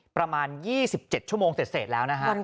ประมาณ๒๗ชั่วโมงเศษแล้วนะครับ